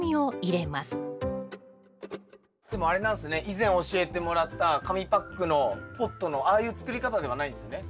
以前教えてもらった紙パックのポットのああいう作り方ではないんですね。